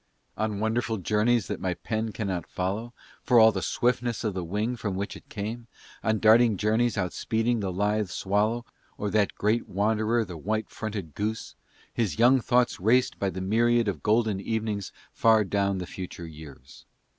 On wonderful journeys that my pen cannot follow, for all the swiftness of the wing from which it came; on darting journeys outspeeding the lithe swallow or that great wanderer the white fronted goose, his young thoughts raced by a myriad of golden evenings far down the future years.